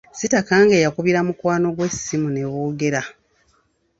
Sitakange yakubira mukwano gwe essimu ne boogera.